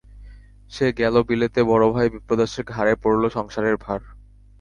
সে গেল বিলেতে, বড়ো ভাই বিপ্রদাসের ঘাড়ে পড়ল সংসারের ভার।